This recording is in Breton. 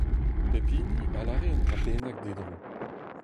Pep hini a lâre un dra bennak d'e dro.